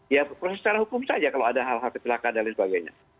ya proses secara hukum saja kalau ada hal hal kecelakaan dan lain sebagainya